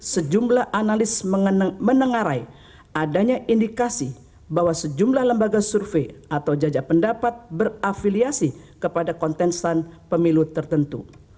sejumlah analis menengarai adanya indikasi bahwa sejumlah lembaga survei atau jajak pendapat berafiliasi kepada kontestan pemilu tertentu